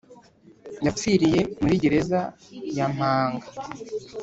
Yapfiriye murigereza yampanga